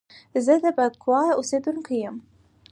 زه د بکواه اوسیدونکی یم